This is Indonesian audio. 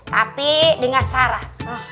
tapi dengar sarah